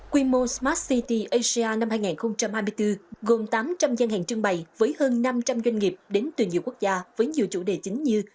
quy mô smart city asia năm hai nghìn hai mươi bốn gồm tám trăm linh gian hàng trưng bày với hơn năm trăm linh doanh nghiệp đến từ nhiều quốc gia với nhiều chủ đề chính như